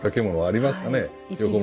物ありましたね。